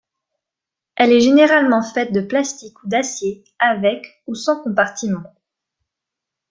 Elle est généralement faite de plastique ou d'acier avec ou sans compartiment.